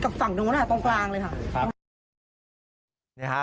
กับฝั่งโดนตรงกลางเลยครับ